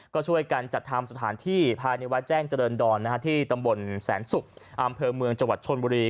ก็ช่วยกันจัดทำสถานที่ภายในวัดแจ้งเจริญดรที่ตำบลแสนศุกร์อำเภอเมืองจังหวัดชนบุรี